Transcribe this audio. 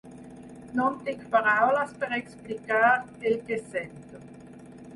No tinc paraules per explicar el que sento.